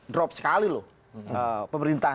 drop sekali loh pemerintah